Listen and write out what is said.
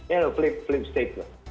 ya flip state lah